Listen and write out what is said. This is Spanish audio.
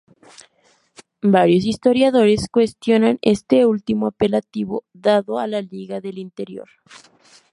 Varios historiadores cuestionan este último apelativo dado a la Liga del Interior.